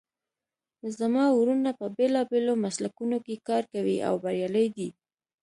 زما وروڼه په بیلابیلو مسلکونو کې کار کوي او بریالي دي